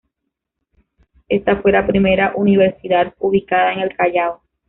Esta fue la primera universidad ubicada en el Callao.